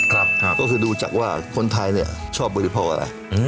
ก็คือดูจากว่าคนไทยชอบบริภาพอะไร